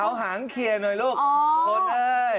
เอาหางเคลียร์หน่อยลูกคนเอ้ย